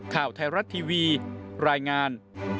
ข่าวไทยรัฐทีวีรายงาน